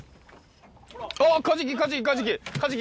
あっ、カジキ、カジキ、カジキ。